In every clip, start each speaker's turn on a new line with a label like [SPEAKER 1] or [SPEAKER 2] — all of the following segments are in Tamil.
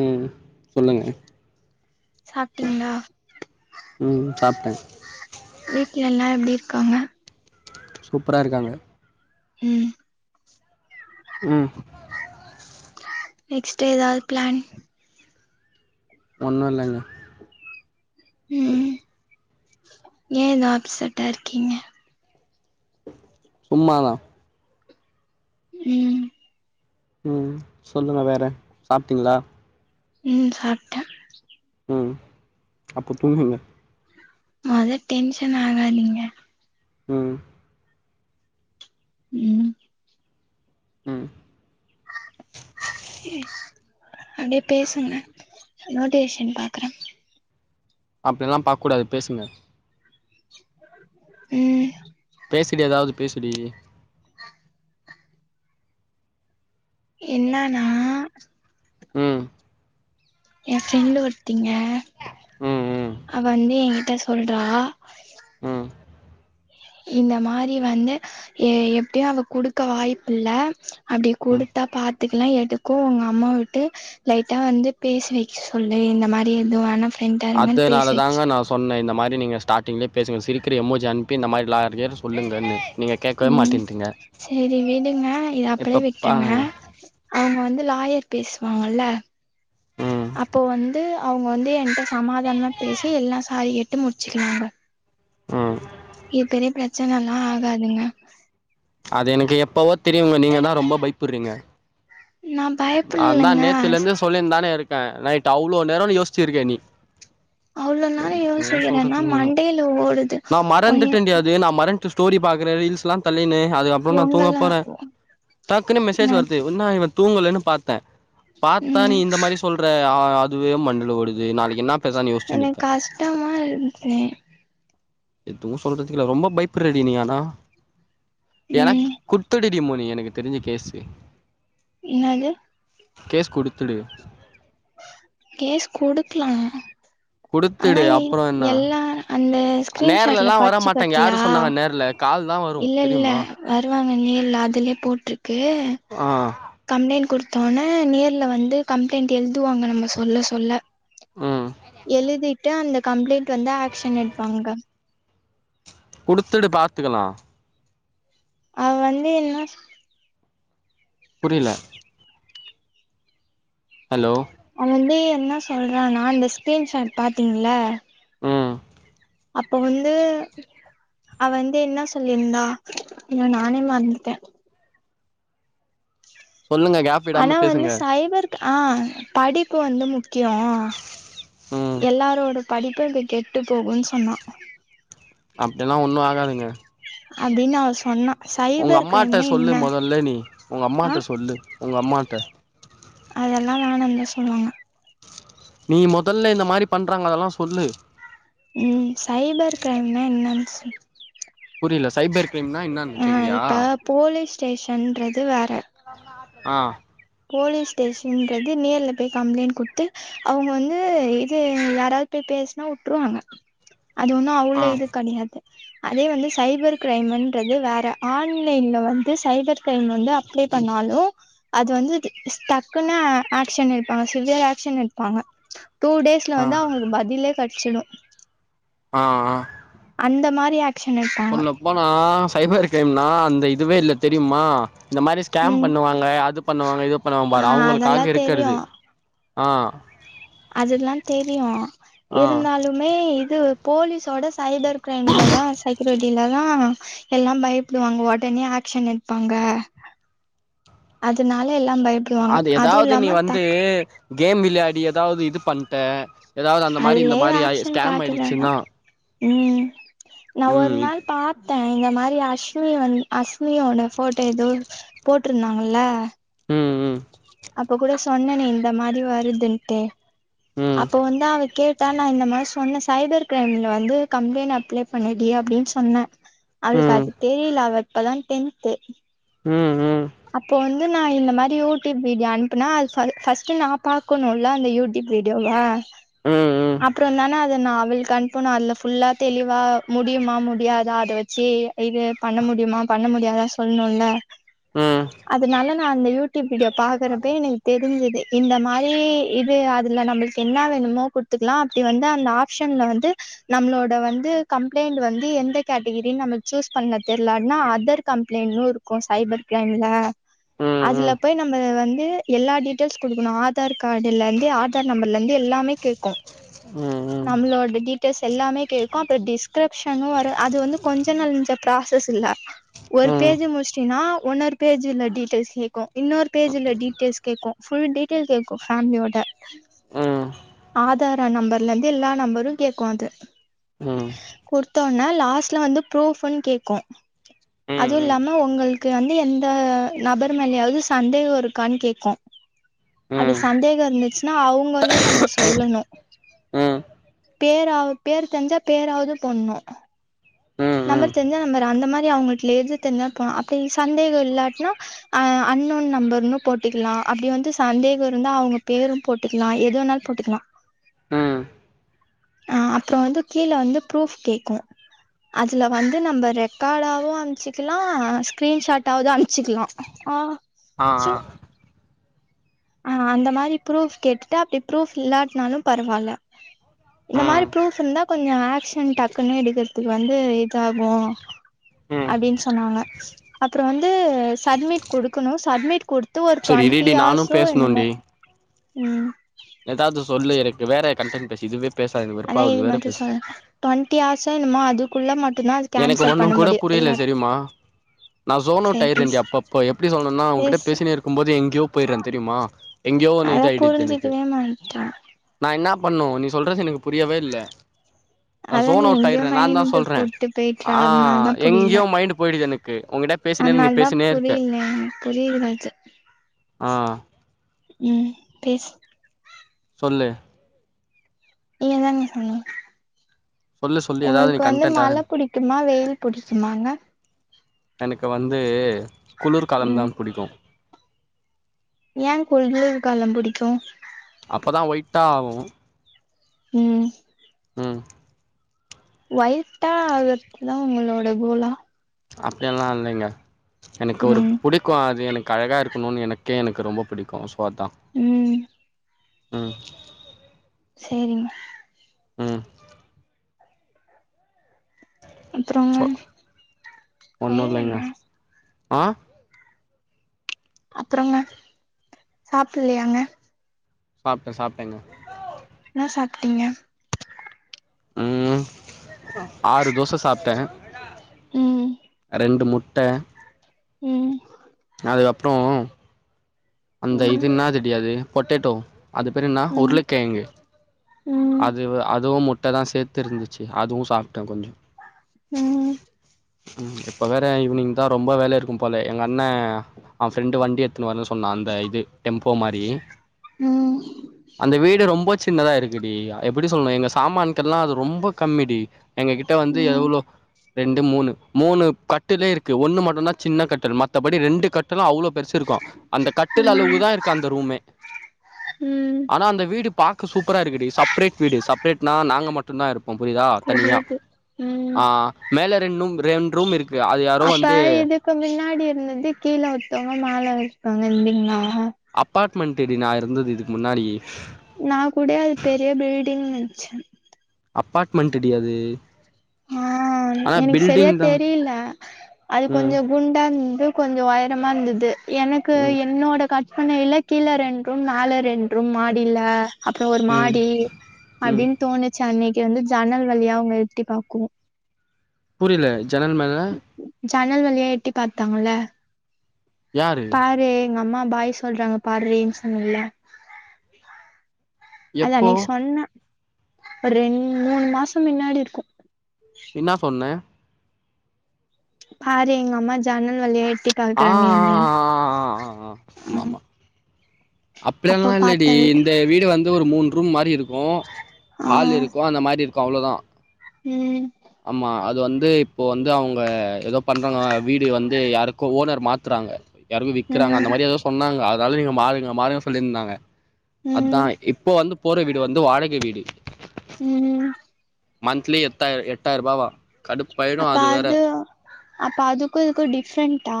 [SPEAKER 1] ம் சொல்லுங்க
[SPEAKER 2] சாப்ட்டீங்களா
[SPEAKER 1] ம் சாப்ட்டே
[SPEAKER 2] வீட்ல எல்லா எப்டி இருக்காங்க
[SPEAKER 1] சூப்ரா இருக்காங்க
[SPEAKER 2] ம்
[SPEAKER 1] ம்
[SPEAKER 2] நெக்ஸ்ட் ஏதாது ப்ளன்
[SPEAKER 1] ஒன்னு இல்லங்க
[SPEAKER 2] ம் ஏ எதோ அப்சட்டா இருக்கீங்க
[SPEAKER 1] சும்மா தா
[SPEAKER 2] ம்
[SPEAKER 1] ம் சொல்லுங்க வேற சாப்ட்டீங்களா
[SPEAKER 2] ம் சாப்ட்டே
[SPEAKER 1] ம் அப்போ தூங்குங்க
[SPEAKER 2] மொத டென்ஷன் ஆகாதிங்க
[SPEAKER 1] ம்
[SPEAKER 2] ம்
[SPEAKER 1] ம்
[SPEAKER 2] அப்டியே பேசுங்கலே நோட்டிவேஷன் பாக்குறே
[SPEAKER 1] அப்டில்லா பாக் கூடாது பேசுங்க
[SPEAKER 2] ம்
[SPEAKER 1] பேசுடி ஏதாது பேசுடி
[SPEAKER 2] என்னனா
[SPEAKER 1] ம்
[SPEAKER 2] எ ஃப்ரெண்டு ஒருத்திங்க
[SPEAKER 1] ம் ம்
[SPEAKER 2] அவ வந்து எ கிட்ட சொல்றா
[SPEAKER 1] ம்
[SPEAKER 2] இந்த மாரி வந்து எ எப்டியு அவ குடுக்க வாய்ப்பு இல்ல அப்டி
[SPEAKER 1] ம்
[SPEAKER 2] குடுத்தா பாத்துக்கலா எதுக்கு உங்க அம்மாவ விட்டு லைட்ட வந்து பேசி வைக்க சொல்லு இந்த மாரி இதுவான
[SPEAKER 1] அத்தனால தாங்க நா சொன்னே இந்தமாரி நீங்க ஸ்டாட்டிங்லே பேசுங்க சிரிக்கிர எமோஜ் அனுப்பி இந்த மாரி லாயர் கீர் சொல்லுங்கன்னே
[SPEAKER 2] ம் செரி விடுங்க இத அப்டியே
[SPEAKER 1] இப்ப
[SPEAKER 2] விட்ருங்க
[SPEAKER 1] பாருங்க
[SPEAKER 2] அவுங்க வந்து லாயர் பேசுவாங்கல்ல
[SPEAKER 1] ம்
[SPEAKER 2] அப்போ வந் து அவுங்க வந்து எங்கிட்ட சமாதானமா பேசி எல்லா சாரி கேட்டு முடிச்சிகினாங்க
[SPEAKER 1] ம்
[SPEAKER 2] இது பெரிய பிரச்சனலா ஆகாதுங்க
[SPEAKER 1] அது எனக்கு எப்பவோ தெரியுங்க நீங்க தா ரொம்ப பைப்
[SPEAKER 2] நா
[SPEAKER 1] நாந்தா
[SPEAKER 2] பயப்படலங்க
[SPEAKER 1] நேத்துல இருந்து சொல்லியிந்தானே இருக்கே நைட் அவ்ளோ நேரோ யோசிச்சிருக்கே நீ
[SPEAKER 2] அவ்ளோ நேரோ
[SPEAKER 1] என்ன [unintelligible]
[SPEAKER 2] யோசிக்கிறேன்னா
[SPEAKER 1] சொல்றதுகில்ல
[SPEAKER 2] மண்டையில ஓடுது
[SPEAKER 1] நா
[SPEAKER 2] ஒன்னயு
[SPEAKER 1] மறந்துட்டேன்டி அது நா மறந்ட்டு ஸ்டோரி பாக்கற ரீல்ஸ்லா தள்ளின்னு அதுக்கப்ற நா தூங்க
[SPEAKER 2] உங்களா
[SPEAKER 1] போறே டக்குன்னு மெசேஜ்
[SPEAKER 2] நா
[SPEAKER 1] வருது என்னா இவ தூங்கலன்னு பாத்தே பாத்தா நீ
[SPEAKER 2] ம்
[SPEAKER 1] இந்த மாரி சொல்ற அ இவே மண்டல ஓடுதே நாளைக்
[SPEAKER 2] எனக்கு கஷ்டமா இருந்தே
[SPEAKER 1] எதுவு சொல்றதுக்கில்ல ரொம்ப பயப்புரடி நீ ஆனா
[SPEAKER 2] ம்
[SPEAKER 1] எனக் குத்துடிடி மோனி எனக்கு தெரிஞ்சி கேசு
[SPEAKER 2] இன்னாது
[SPEAKER 1] கேஸ் குடுத்துடு
[SPEAKER 2] கேஸ் குடுக்லா ஆனா
[SPEAKER 1] குடுத்துடு
[SPEAKER 2] எ
[SPEAKER 1] அப்புறம் என்ன
[SPEAKER 2] எல்லா அந்த ஸ்கிரீன்ஷாட்ல படிச்சி பாத்தியா
[SPEAKER 1] தெர்ல கால் தா வ
[SPEAKER 2] இல்ல இல்ல வருவாங்க நேர்ல அதுலே போட்ருக்கு
[SPEAKER 1] ஆ
[SPEAKER 2] கம்ப்ளைண்ட் குடுத்தோன நேர்ல வந்து கம்ப்ளைண்ட் எழுதுவாங்க நம்ம சொல்ல சொல்ல
[SPEAKER 1] ம்
[SPEAKER 2] எழுதிட்டு அந்த கம்ப்ளைண்ட் வந்து ஆக்சன் எடுப்பாங்க
[SPEAKER 1] குடுத்துடு பாத்துக்கலா
[SPEAKER 2] அவ வந்து என்னா
[SPEAKER 1] புரில ஹலோ
[SPEAKER 2] அவ வந்து என்னா சொல்றானா அந்த ஸ்க்ரீன்ஷாட் பாத்தீங்ல
[SPEAKER 1] ம்
[SPEAKER 2] அப்ப வந்து அவ வந்து என்ன சொல்லிருந்தா அய்யோ நானே மறந்துட்டே
[SPEAKER 1] சொல்லுங்க கேப் விடாம
[SPEAKER 2] ஆனா வந்து
[SPEAKER 1] பேசுங்க
[SPEAKER 2] சைபர் ஆ படிப்பு வந்து முக்கியோ
[SPEAKER 1] ம்
[SPEAKER 2] எல்லாரோட படிப்பு இப்ப கெட்டு போகுன் சொன்னா
[SPEAKER 1] அப்டில்லா ஒண்ணும் ஆகாதுங்க
[SPEAKER 2] அப்டீனு அவ சொன்னா
[SPEAKER 1] உங்க
[SPEAKER 2] சைபர்
[SPEAKER 1] அம்மாட்ட
[SPEAKER 2] கிரைம்னா
[SPEAKER 1] சொல்லு
[SPEAKER 2] என்ன
[SPEAKER 1] மொதல்ல நீ உங்க அம்மாட்ட
[SPEAKER 2] ஆ
[SPEAKER 1] சொல்லு உங்க அம்மாட்ட
[SPEAKER 2] அதெல்லா வேணான் தா சொல்லுவாங்க
[SPEAKER 1] நீ மொதல்ல இந்த மாரி பண்ணுறாங்க அதலா சொல்லு
[SPEAKER 2] ம் சைபர் கிரைம்னா என்னான் சொல்
[SPEAKER 1] புரில சைபர் க்ரைம்னா என்ன
[SPEAKER 2] அ இப்ப போலீஸ் ஸ்டேஷன்றது வேற
[SPEAKER 1] ஆ
[SPEAKER 2] போலீஸ் ஸ்டேஷன்றது நேர்ல போய் கம்ப்ளைண்ட் குடுத்து அவங்க வந்து இது யாராவது போய் பேசுனா உட்டுருவாங்க அது ஒன்னும்
[SPEAKER 1] ஆ
[SPEAKER 2] அவ்ளோ இது கெடயாது அதே வந்து சைபர் க்ரைம்ன்றது வேற ஆன்லைன்ல வந்து சைபர் கிரைம் வந்து அப்ளே பண்ணாலோ அது வந்து டக்குன்ன ஆக்ஷன் எட்ப்பாங்க சிவியர் ஆக்ஷன் எட்ப்பாங்க டூ டேஸ் இதுல
[SPEAKER 1] ஆ
[SPEAKER 2] வந்து அவுங்குளுக்கு பதிலே கட்ச்சிடோ
[SPEAKER 1] ஆ அ
[SPEAKER 2] அந்த மாரி ஆக்
[SPEAKER 1] சொல்ல போனா சைபர் க்ரைம்னா அந்த இதுவே இல்ல தெரியுமா இந்த மாரி ஸ்கேம்
[SPEAKER 2] ம்
[SPEAKER 1] பண்ணுவால்லே அது பண்ணுவாங்க இது பண்ணுவாங்க
[SPEAKER 2] ஆ
[SPEAKER 1] பாரு
[SPEAKER 2] அதெல்லா
[SPEAKER 1] அவங்களுக்காக
[SPEAKER 2] தெரியு
[SPEAKER 1] இருக்கறது ஆ
[SPEAKER 2] அதுலா தெரியோ
[SPEAKER 1] ஆ
[SPEAKER 2] இருந்தாலு மே இது போலீஸோட சைபர் க்ரைம்ல தா செக்யூரிட்டில தா எல்லா பயப்படுவாங்க ஒடனே ஆக்ஷன் எட்ப்பாங்க அதுனால எல்லா பய்ப்
[SPEAKER 1] ஆது எதாவ்து நீ வந்து கேம் விள்யாடி எதாவ்து இது பண்ட்ட எதாவது அந்த
[SPEAKER 2] அது
[SPEAKER 1] மாரி இந்த
[SPEAKER 2] லைவ்
[SPEAKER 1] மாரி ஆயி
[SPEAKER 2] ஆக்ஷன்
[SPEAKER 1] ஸ்கேம்
[SPEAKER 2] காட்டலதா
[SPEAKER 1] ஆய்டுச்சின்னா
[SPEAKER 2] ம் நா ஒரு நாள் பாத் த்தே இந்த மாரி அஸ்மி வந்து அஸ்மியோட போட்டோ ஏதோ போட்டுருந்தாங்கல
[SPEAKER 1] ம் ம்
[SPEAKER 2] அப்ப கூட சொன்னனே இந்த மாரி வருதுன்ட்டு
[SPEAKER 1] ம்
[SPEAKER 2] அப்ப வந்து அவ கேட் டா நா இந்த மாரி சொன்ன சைபர் க்ரைம்ல வந்து கம்ப்ளைண்ட் அப்ளே பண்ணுடி அப்டின் சொன்ன அவளுக்கு
[SPEAKER 1] ம்
[SPEAKER 2] அது தெரிய்ல அவ இப்பதா டென்த்து
[SPEAKER 1] ம் ம்
[SPEAKER 2] அப்போ வந்து நா இந்த மாரி யூடியூப் வீடியோ அனுப்புனா அது ஃபர்ஸ்ட்டு நா பாக்கணுல அந்த யூடியூப் வீடியோவா
[SPEAKER 1] ம் ம்
[SPEAKER 2] அப்புறோ தான அத நா அவளுக்கு அன்ப்புனோ அதுல ஃபுல்லா தெளிவா முடியுமா முடியாதா அத வெச்சி இது பண்ண முடியுமா பண்ண முடியாதா சொல்ணுல
[SPEAKER 1] ம் ம் ம் ம்
[SPEAKER 2] அதனால நா அந்த யூடியூப் வீடியோ பாக்குறப்ப எனக்கு தெரிஞ்சுது இந்த மாரி இது அதுல நம்பிள் என்ன வேணுமோ குட்த்துக்லா அப்டி வந்து அந்த ஆப்ஷன்ல வந்து நம்ளோட வந்து கம்ப்ளைண்ட் வந்து எந்த கேட்டகிரின் நம்ம சூஸ் பண்ண தெர்லனா அதர் கம்ப்ளைண்ட்ன்னு க்கும் சைபர் கிரைம்ல அதுல போய் நம்ப வந்து எல்லா டீட்டெயல்ஸ் குடுக்கணு ஆதார் கார்டுலந்து ஆத் த்த நம்பர்லந்து எல்லாமே கேக்கும்
[SPEAKER 1] ம் ம்
[SPEAKER 2] நம்மளோட டீட்டெயில்ஸ் எல்லாமே கேக்கும் அப்றோ டிஸ்கிரப்ஷனும் வரும் அது வந்து கொஞ்ச நஞ்ச ப்ராசஸ் இல்ல ஒரு பேஜு முஷ்டினா ஒன்னொரு பேஜில்ல டீட்டெயில்ஸ் கேக்கும் இன்னொரு பேஜில்ல டீட்டெயில்ஸ் கேக்கும் ஃபுல் டீட்டெல் கேக்கும் ஃபேமிலியோட
[SPEAKER 1] அ
[SPEAKER 2] ஆதார நம்பர்லந்து எல்லா நம்பரும் கேக்கு அது குடுத்தொன்ன லாஸ்ட்ல வந்து ப்ரூஃப்ன் கேக்கு அதுவும் இல்லாம உங்கள் க்கு வந்து எந்த நபர் மேலயாவது சந்தேகோ இருக்கான் கேக்கு அப்டி சந்தேகோ இருந்துச்சுன்னா அவுங்களையும் நம்ம சொல்லணு
[SPEAKER 1] ம் ம்
[SPEAKER 2] பேராவ் பேர் தெரிஞ்சா பேராவ்து பண்ணோ நம்பர்
[SPEAKER 1] ம்
[SPEAKER 2] தெர்ஞ்சா நம்பர் அந்த மாரி அவுங்கல்ட் [unintelligible] சந்தேகோ இல்லாட்னா அ அன்னோன் நம்பர்னு போட்க்லா அப்டி வந்து சந்தேகோ இருந்தா அவுங்க பேரும் போட்டுக்லா எது வேணாலு போட்டுக்லா
[SPEAKER 1] ம்
[SPEAKER 2] ஆ அப்றோ வந்து கீழ வந்து ப்ரூஃப் கேக்கு அதுல வந்து நம்ப ரெக்காடாவு அம்ச்சிகிலா ஸ்கிரீன்ஷாட்டாவ்து அம்ச்சிகிலா ஆ
[SPEAKER 1] ஆ ஆ
[SPEAKER 2] ஆ அந்த மாரி ப்ரூஃப் கேட்டுட்டு அப்டி ப்ரூஃப் இல்லாட்னாலும் பரவால இந்த
[SPEAKER 1] ஆ ம்
[SPEAKER 2] மாரி ப்ரூஃப் இருந்தா கொஞ்சோ ஆக்ஷன் டக்குன்னு எடுக்கர்துக்கு வந்து இதாகு
[SPEAKER 1] ம்
[SPEAKER 2] அப்டின் சொன்னாங்க அப்றோ வந்து சட்மிட் குடுக்குணு சட்மிட் குடுத் த்து ஒரு
[SPEAKER 1] செரி
[SPEAKER 2] தொண்ட்டி
[SPEAKER 1] இருடி நானு
[SPEAKER 2] ஆர்ஸோ என்னுமோ ம்
[SPEAKER 1] எதாது சொல்லு எருக்கு வேற கண்டன்ட் பேசு இதுவேப்
[SPEAKER 2] அதா இது மட்டு சொல் டொண்ட்டி ஆர்ஸோ என்னுமோ அதுக்குள்ள மட்டுந்தா அது கேன்சல் பண்ண முடிய
[SPEAKER 1] புரில செரிமா நா சோனவுட்
[SPEAKER 2] சரி
[SPEAKER 1] ஆயிரேண்டி
[SPEAKER 2] பேசு
[SPEAKER 1] அப்ப அப்ப எப்டி சொல்ணுனா உகிட்ட
[SPEAKER 2] பேசு
[SPEAKER 1] பேசினே இருக்கும்போது எங்யோ போயிர்றேந் தெரியுமா எங்யோ ஒன்னு
[SPEAKER 2] அதா
[SPEAKER 1] இதாயிடுச்சு எனக்கு-
[SPEAKER 2] புரிஞ்சுக்கவே மாட்டா
[SPEAKER 1] நா இன்னாப் பண்ணு நீ சொல்றது எனக்கு புரியவே இல்ல நா
[SPEAKER 2] அதா நீ
[SPEAKER 1] சோனவுட்
[SPEAKER 2] எங்கயோ
[SPEAKER 1] ஆயிர்றே நாந்தா
[SPEAKER 2] மைண்டு
[SPEAKER 1] சொல்றே
[SPEAKER 2] கூட்டு போயிட்ற
[SPEAKER 1] ஆ
[SPEAKER 2] அதனாலதா
[SPEAKER 1] எங்யோ மைண்ட்டு போயி்டுது எனுக்கு உங்கிட்டப்
[SPEAKER 2] அன்னால்தாம் புரில எனக் புரிதலச்சு
[SPEAKER 1] ஆ
[SPEAKER 2] ம் பேசு
[SPEAKER 1] சொல்லு
[SPEAKER 2] ஈகதாங்க சொல்னு
[SPEAKER 1] சொல்லு சொல்லு ஏதாவது நீ
[SPEAKER 2] உங்கள்க்கு வந்து
[SPEAKER 1] கன்டென்ட் ஆரம்பி
[SPEAKER 2] மழப் புடிக்குமா வெயில் புடிச்சமாங்க
[SPEAKER 1] எனக்கு வந்து குளுர்காலந்தா
[SPEAKER 2] ம்
[SPEAKER 1] புடிக்கு
[SPEAKER 2] ஏங் குள்ளுர்காலம் புடிக்கு
[SPEAKER 1] அப்பதா ஒயிட்டா ஆவு
[SPEAKER 2] ம்
[SPEAKER 1] ம்
[SPEAKER 2] ஒய்ட்டா ஆகர்க்குதா உங்களோட கோலா
[SPEAKER 1] அப்டியெல்லா இல்லைங்க எனக்கு ஒரு
[SPEAKER 2] ம்
[SPEAKER 1] புடிக் க்கு அது எனுக்கு அழகா இருக்கணுனு எனக்கே எனக்கு ரொம்ப பிடிக்கு சோ அதா
[SPEAKER 2] ம்
[SPEAKER 1] ம்
[SPEAKER 2] சேரிங்
[SPEAKER 1] ம்
[SPEAKER 2] அப்புறங்க
[SPEAKER 1] சோ
[SPEAKER 2] டைம்
[SPEAKER 1] -ஒன்னுல்லைங்க
[SPEAKER 2] என்ன
[SPEAKER 1] ஆ
[SPEAKER 2] அப்றங்க சாப்பில்லியாங்க
[SPEAKER 1] சாப்ட்டே சாப்டேங்க
[SPEAKER 2] என்னா சாப்ட்டீங்க
[SPEAKER 1] ம் ஆறு தோச சாப்டே
[SPEAKER 2] ம்
[SPEAKER 1] ரெண்டு முட்ட
[SPEAKER 2] ம்
[SPEAKER 1] அதுகப்றோ அந்த இது
[SPEAKER 2] ம்
[SPEAKER 1] இன்னாதுடி அது பொட்டேட்டோ அது பேரு என்னா
[SPEAKER 2] ம்
[SPEAKER 1] உருளக்கெழங்கு
[SPEAKER 2] ம்
[SPEAKER 1] அதுவு அதுவும் முட்டதா சேத்து இருந்துச்சு அதுவு சாப்டே கொஞ்சோ
[SPEAKER 2] ம்
[SPEAKER 1] ம் இப்ப வேற ஈவினிங் தா ரொம்ப வேல இருக்கும் போல எங்க அண்ண அவ ஃப்ரெண்டு வண்டி எடுத்துனு வரன் சொ ன்னா அந்த இது டெம்போ மாரி
[SPEAKER 2] ம்
[SPEAKER 1] அந்த வீடு ரொம்ப சின்னதா இருக்குடி எப்பிடி சொல்லுன்னு எங்க சாமான்கெல்லா அது ரொம்ப கம்மிடி எங்க கிட ட வந்து
[SPEAKER 2] ம்
[SPEAKER 1] எவ்ளோ ரெண்டு மூணு மூணு கட்டுலே இருக்கு ஒண்ணு மட்டுதா சின்ன கட்டுல் மத்தபடி ரெண்டு கட்டலு அவ்ளோ பெருசுருக்கு அந்த கட்டில் அளவுக்கு
[SPEAKER 2] ம்
[SPEAKER 1] தா இருக்க அந்த ரூமே
[SPEAKER 2] ம்
[SPEAKER 1] ஆனா அந்த வீடு பாக் க சூப்பரா இருக்குடி சப்ரேட் வீடு சப்ரேட்னா நாங்க மட் டு தா இருப்போ புரியுதா தனியா
[SPEAKER 2] தெரியுது ம்
[SPEAKER 1] ஆ மேல ரென்ட்ரூம் ரென்ட்ரூம் இருக்கு அது யாரோ
[SPEAKER 2] அப்ப
[SPEAKER 1] வந்து
[SPEAKER 2] இதுக்கு முன்னாடி இருந்தது கீழே ஒருத்தவங்க மேலே ஒருத்தவங்க இருந்தீங்களா
[SPEAKER 1] அப்பார்ட்மெண்ட்டுட்டி நா இருந்தது இதுக்கு முன்னாடி
[SPEAKER 2] நா கூட அது பெரிய பில்டிங் நெச்சே
[SPEAKER 1] அப்பார்ட்மெண்ட்டுடி அது
[SPEAKER 2] ஆ
[SPEAKER 1] ஆனா
[SPEAKER 2] எனக்கு செரியா
[SPEAKER 1] பில்டிங் தா
[SPEAKER 2] தெரியல அது
[SPEAKER 1] ம்
[SPEAKER 2] கொஞ்சோ குண்டாருந்து கொஞ்சோ உயரமாருந்தது எனக்கு
[SPEAKER 1] ம்
[SPEAKER 2] என்னோட காட் ஆனா எல்லா கீழ ரெண்டு ரூம் மேல ரெண்டு ரூம் மாடியில அப்புறோ ஒரு
[SPEAKER 1] ம்
[SPEAKER 2] மாடி
[SPEAKER 1] ம்
[SPEAKER 2] அப்டின்னு தோணுச்சு அன்னைக்கி வந்து ஜன்னல் வழியா அவுங்க எட்டி பாக்குவோம்
[SPEAKER 1] புரியல ஜென்னல் மேல
[SPEAKER 2] ஜன்னல் வழியா எட்டி பாத்தாங்கள
[SPEAKER 1] யாரு
[SPEAKER 2] பாரு எங்க அம்மா பாய் சொல்றாங்க பார்டின்னு சொன்னல்ல அது
[SPEAKER 1] எப்போ
[SPEAKER 2] அன்னைக்கி சொன்ன ஒரு ரெண்டு மூணு மாசோ முன்னாடி இருக்கு
[SPEAKER 1] என்னா சொன்ன
[SPEAKER 2] பாரு எங்க அம்மா ஜான்னல் வழியா எட்
[SPEAKER 1] ஆ ஆ ஆ ஆ ஆ ஆ ஆமாமா
[SPEAKER 2] அப்ப
[SPEAKER 1] அப்படியெல்லா இல்லடி
[SPEAKER 2] பாத்தே விடு
[SPEAKER 1] இந்த வீடு வந்து ஒரு மூணு ரூம் மாரி இருக் கு
[SPEAKER 2] ஆ
[SPEAKER 1] ஆள்ருக்கு அந்த மாரி இருக்கு அவ்ளோதா
[SPEAKER 2] ம்
[SPEAKER 1] ஆமா அது வந்து இப்போ வந்து அவுங்க ஏதோ பண்றாங்க வீடு வந்து யாருக்கு ஓனர் மாத்துறாங்க யாருக்கோ விக்குறாங்க
[SPEAKER 2] ம்
[SPEAKER 1] அந்த மாரி ஏதோ சொன்னாங்க அதனால நீங்க மாறுங்க மாறுங்க சொல்லியிருந்தாங்க அதா
[SPEAKER 2] ம்
[SPEAKER 1] இப்போ வந்து போற வீடு வந்து வாடகை வீடு
[SPEAKER 2] ம்
[SPEAKER 1] மந்த்திலி எட்டாயிரோ எட்டாயிர ரூபாவா
[SPEAKER 2] அப்ப அது அப்ப அதுக்கு இதுக்கு டிஃப்ரெண்ட்டா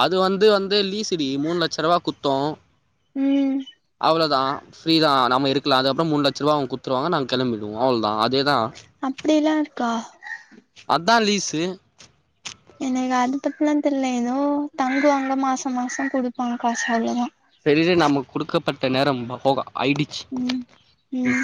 [SPEAKER 1] அது வந்து வந்து லீசுடி மூணு லட்ச்ச ரூபாய் குத்தோ
[SPEAKER 2] ம்
[SPEAKER 1] அவ்ளோன் தா ஃப்ரீ தா நம்ம இருக்கல அப்புறோ மூன் லட்சம்ரூபா குத்துருவாங்க நாங்க கெளம்பிடுவோ அவ்ளோ தா அதே
[SPEAKER 2] அப்பிடில்லா இருக்கா
[SPEAKER 1] அதா லீஸு
[SPEAKER 2] எனக்கு அது பத்துல்லா தெரியில ஏதோ தங்குவாங்க மாசோ மாசோ குடுப்பாங்க காசு அவ்ளோதா
[SPEAKER 1] சேரி சேரி நாமுக் குடுக்கப்பட்ட நேரே போக ஆயிடிச்சு
[SPEAKER 2] ம் ம்